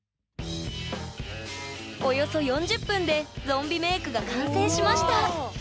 およそ４０分でゾンビメイクが完成しました！